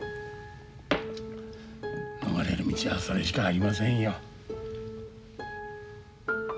逃れる道はそれしかありませんよ。